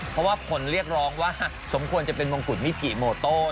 เพราะว่าคนเรียกร้องว่าสมควรจะเป็นมงกุฎมิกิโมโต้